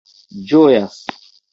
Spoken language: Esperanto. ĝojas